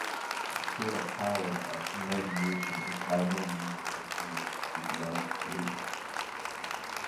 This fatal power of the imagination is by no means confined to one race.